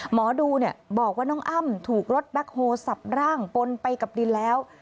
หมอดูบอกว่าน้องอ้ำถูกรถแบ็คโฮลสับร่างปนไปกับดินแล้ว